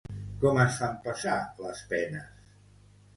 Com es fan passar les penes?